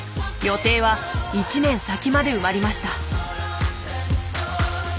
予定は１年先まで埋まりました。